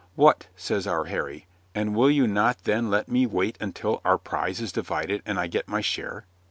"What," says our Harry, "and will you not then let me wait until our prize is divided and I get my share?"